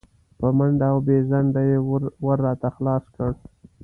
په منډه او بې ځنډه یې ور راته خلاص کړ.